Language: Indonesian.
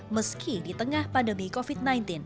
meski di tengah pandemi covid sembilan belas